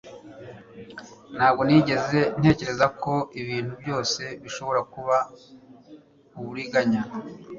ntabwo nigeze ntekereza ko ibintu byose bishobora kuba uburiganya